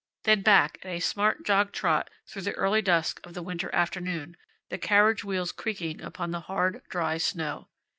Then back at a smart jog trot through the early dusk of the winter afternoon, the carriage wheels creaking upon the hard, dry snow.